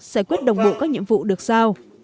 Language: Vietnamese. giải quyết đồng bộ các nhiệm vụ được sao